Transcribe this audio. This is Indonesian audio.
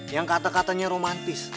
yang kata katanya romantis